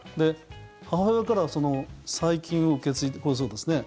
母親から細菌を受け継いでこれ、そうですね。